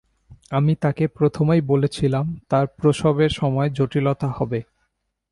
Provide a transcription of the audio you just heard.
আমি তাকে প্রথমেই বলেছিলাম তার প্রসবের সময় জটিলতা হবে।